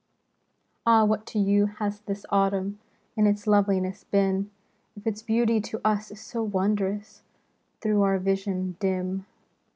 Ah, what to you has this Autumn In its loveliness been. If its beauty to us is so wondrous Through our vision dim